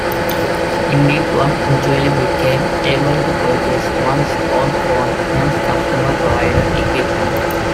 Indeed, one eventually became able to purchase one's own phone - hence, customer-"provided" equipment.